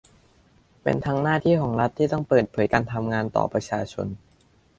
เป็นทั้งหน้าที่ของรัฐที่ต้องเปิดเผยการทำงานต่อประชาชน